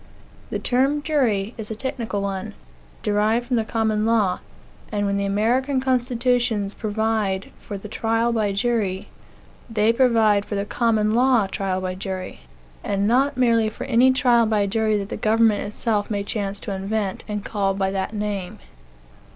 The term jury is a technical one, derived from the common law; and when the American constitutions provide for the trial by jury, they provide for the common law trial by jury; and not merely for any trial by jury that the government itself may chance to invent, and call by that name.